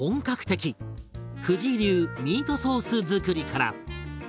藤井流ミートソース作りから。